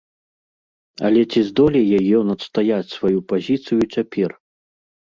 Але ці здолее ён адстаяць сваю пазіцыю цяпер?